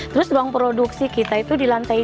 terus ruang produksi kita itu di lantai dua